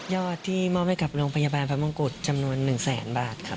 อดที่มอบให้กับโรงพยาบาลพระมงกุฎจำนวน๑แสนบาทครับ